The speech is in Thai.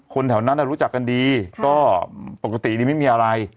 คนแถวนั้นรู้จักกันดี